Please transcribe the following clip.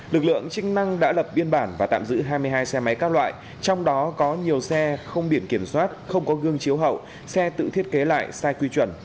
lực lượng chức năng đã lập biên bản và tạm giữ hai mươi hai xe máy các loại trong đó có nhiều xe không biển kiểm soát không có gương chiếu hậu xe tự thiết kế lại sai quy chuẩn